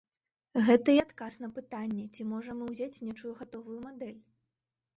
Гэта і адказ на пытанне, ці можам мы ўзяць нечую гатовую мадэль?